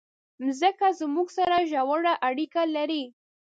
مځکه زموږ سره ژوره اړیکه لري.